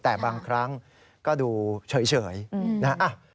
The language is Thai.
แต่บางครั้งก็ดูเฉยนะฮะ